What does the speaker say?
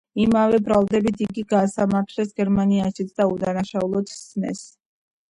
იმავე ბრალდებით იგი გაასამართლეს გერმანიაშიც და უდანაშაულოდ სცნეს.